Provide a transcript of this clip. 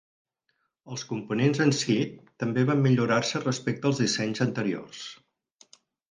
Els components en si també van millorar-se respecte als dissenys anteriors.